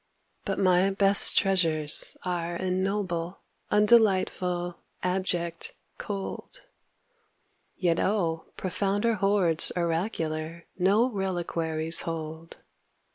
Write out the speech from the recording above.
But my best treasures are Ignoble, undelightful, abject, cold; Yet O! profounder hoards oracular No reliquaries hold.